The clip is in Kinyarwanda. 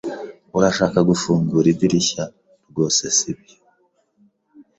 "Urashaka gufungura idirishya?" "Rwose sibyo."